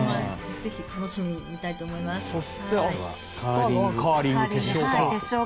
ぜひ楽しみに見たいと思います。